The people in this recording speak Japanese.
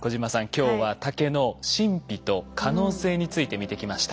今日は竹の神秘と可能性について見てきました。